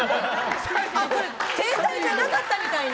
これ、携帯じゃなかったみたいな。